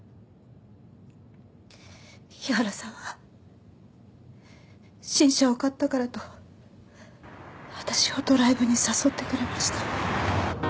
日原さんは新車を買ったからと私をドライブに誘ってくれました。